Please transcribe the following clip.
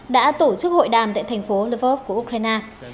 đã tổ chức hội đàm tại thành phố levers của ukraine